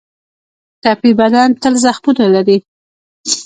ټپي بدن تل زخمونه لري.